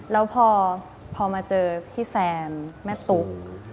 แล้วพอมาเจอพี่แซมแม่ตุ๊ก